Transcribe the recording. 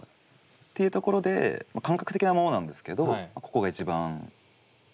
っていうところで感覚的なものなんですけどここが一番。